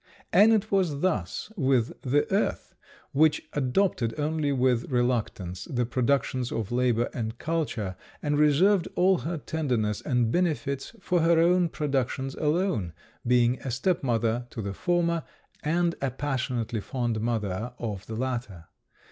And it was thus with the earth, which adopted only with reluctance the productions of labour and culture, and reserved all her tenderness and benefits for her own productions alone being a step mother to the former, and a passionately fond mother of the latter.